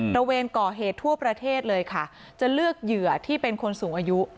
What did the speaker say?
ระเวนก่อเหตุทั่วประเทศเลยค่ะจะเลือกเหยื่อที่เป็นคนสูงอายุ